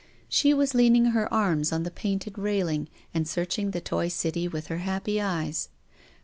She was leaning her arms on the painted railing and searching the toy city with her happy eyes.